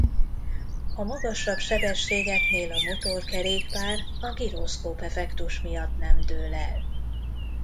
A magasabb sebességeknél a motorkerékpár a giroszkóp effektus miatt nem dől el.